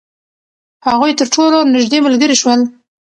هغوی تر ټولو نژدې ملګري شول.